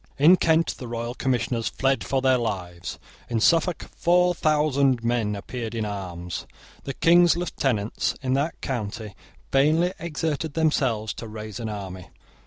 In Kent the royal commissioners fled for their lives. In Suffolk four thousand men appeared in arms. The King's lieutenants in that county vainly exerted themselves to raise an army.